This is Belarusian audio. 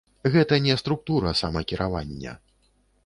Гэта не структура самакіравання.